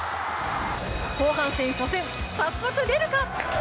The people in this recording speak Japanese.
後半戦初戦、早速出るか？